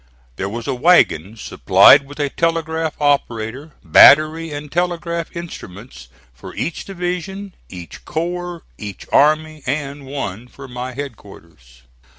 There was a wagon, supplied with a telegraph operator, battery and telegraph instruments for each division, each corps, each army, and one for my headquarters.